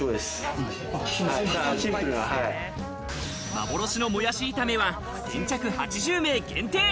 幻のもやし炒めは先着８０名限定。